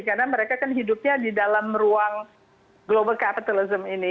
karena mereka kan hidupnya di dalam ruang global kapitalism ini